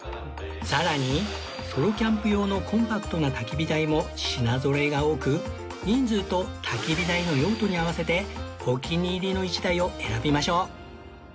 さらにソロキャンプ用のコンパクトな焚き火台も品ぞろえが多く人数と焚き火台の用途に合わせてお気に入りの１台を選びましょう